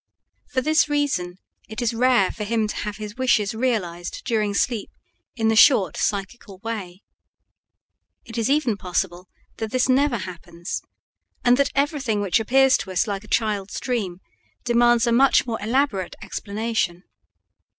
For this reason it is rare for him to have his wishes realized during sleep in the short psychical way. It is even possible that this never happens, and that everything which appears to us like a child's dream demands a much more elaborate explanation.